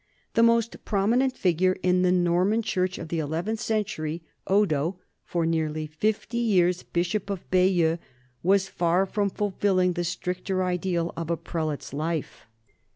The most prominent figure in the Norman church of the eleventh century, Odo, for nearly fifty years bishop of Bayeux, was far from fulfilling the stricter ideal of a prelate's life.